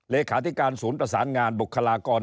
เลขาธิการศูนย์ประสานงานบุคลากร